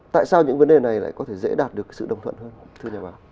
tại sao những vấn đề này lại có thể dễ đạt được sự đồng thuận hơn thưa nhà bà